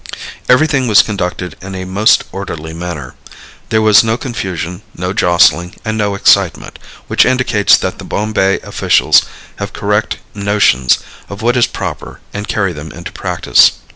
Everything was conducted in a most orderly manner. There was no confusion, no jostling and no excitement, which indicates that the Bombay officials have correct notions of what is proper and carry them into practice.